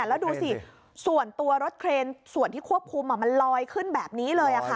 แล้วดูสิส่วนตัวรถเครนส่วนที่ควบคุมมันลอยขึ้นแบบนี้เลยค่ะ